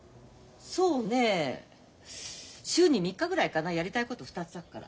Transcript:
そうね週に３日ぐらいかなやりたいこと２つあるから。